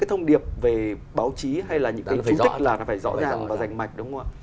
cái thông điệp về báo chí hay là những cái chú thích là phải rõ ràng và rành mạch đúng không ạ